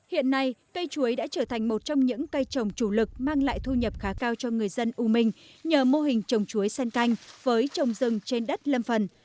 hiện nay cây chuối đã trở thành một trong những cây trồng chủ lực mang lại thu nhập khá cao cho người dân u minh nhờ mô hình trồng chuối sen canh với trồng rừng trên đất lâm phần